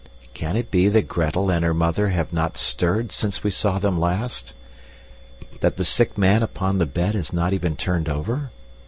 Can it be that Gretel and her mother have not stirred since we saw them last? That the sick man upon the bed has not even turned over?